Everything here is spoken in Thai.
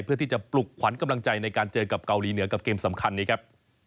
เพื่อที่จะปลุกขวัญกำลังใจในการเจอกับเกาหลีเหนือกับเกมสำคัญนี้ครับ